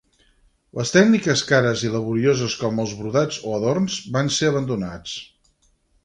Les tècniques cares i laborioses com els brodats o adorns, van ser abandonats.